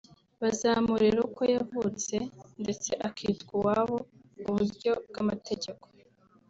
bazamurera uko yavutse ndetse akitwa uwabo mu buryo bw’amategeko